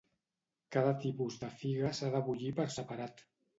Cada tipus de figa s'ha de bullir per separat.